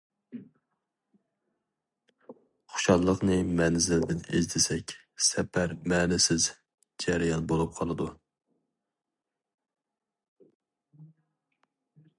. خۇشاللىقنى مەنزىلدىن ئىزدىسەك، سەپەر مەنىسىز جەريان بولۇپ قالىدۇ.